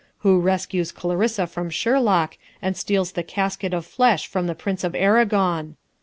Who rescues Clarissa from Sherlock, and steals the casket of flesh from the Prince of Aragon?